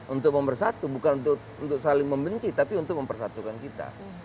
untuk mempersatu bukan untuk saling membenci tapi untuk mempersatukan kita